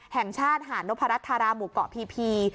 แห่งชาติหานวภรรษฐรมุกเกาะพี